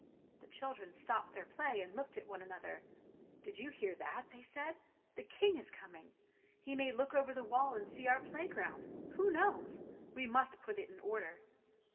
The children stopped their play, and looked at one another. "Did you hear that?" they said. "The King is coming. He may look over the wall and see our playground; who knows? We must put it in order."